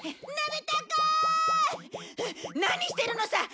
何してるのさ！